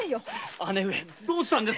姉上どうしたんです？